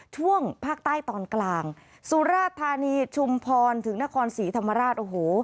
ช่วงภาคใต้ตอนกลางสุราธานีชุมพรถึงนครศรีธรรมราชโอ้โห